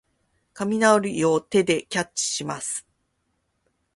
雷を手でキャッチします。